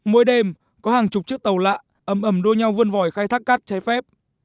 mỗi đêm có hàng chục chiếc tàu lạ ấm ấm đôi nhau vươn vòi khai thác cát cháy phép